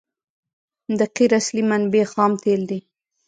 د قیر اصلي منبع خام تیل دي